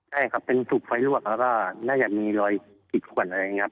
ใช่ครับเป็นถูกไฟลวกแล้วก็น่าจะมีรอยขีดขวนอะไรอย่างนี้ครับ